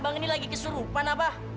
abang ini lagi keserupan abah